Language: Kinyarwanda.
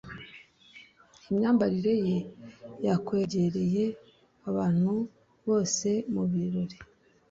imyambarire ye yakwegereye abantu bose mu birori